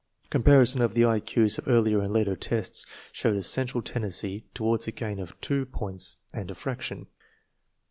Comparison of the I Q's of earlier and later tests showed a central tendency toward a gain of two points and a fraction.